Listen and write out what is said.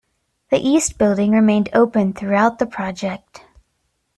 The East Building remained open throughout the project.